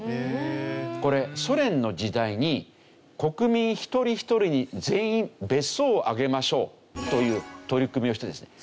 これソ連の時代に国民一人一人に全員別荘をあげましょうという取り組みをしてですね